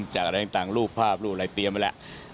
จากอะไรต่างรูปภาพรูปอะไรเตรียมไว้แล้ว